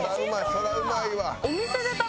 そりゃうまいわ。